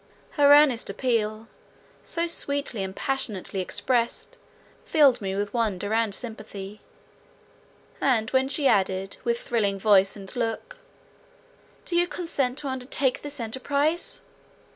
Her earnest appeal, so sweetly and passionately expressed, filled me with wonder and sympathy; and, when she added, with thrilling voice and look, "Do you consent to undertake this enterprize?"